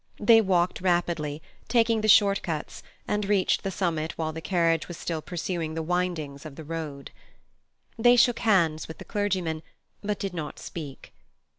They walked rapidly, taking the short cuts, and reached the summit while the carriage was still pursuing the windings of the road. They shook hands with the clergyman, but did not speak.